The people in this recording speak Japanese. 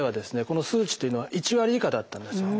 この数値というのは１割以下だったんですよ。